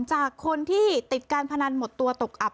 จากคนที่ติดการพนันหมดตัวตกอับ